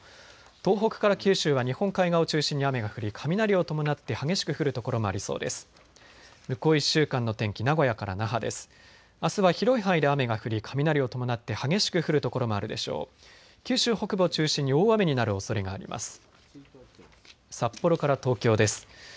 東北から九州は日本海側を中心に雨が降り雷を伴って激しく降る所もありそうです。